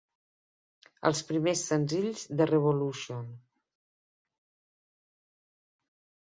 Els primers senzills de Revolution.